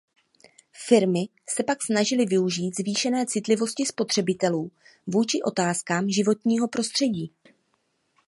Firmy se pak snažily využít zvýšené citlivosti spotřebitelů vůči otázkám životního prostředí.